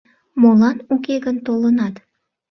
— Молан уке гын толынат?